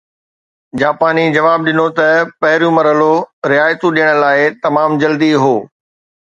جاپاني جواب ڏنو ته پهريون مرحلو رعايتون ڏيڻ لاءِ تمام جلدي هو